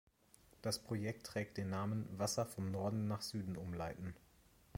Das Projekt trägt den Namen „Wasser vom Norden nach Süden umleiten“.